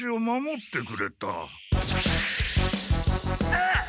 あっ！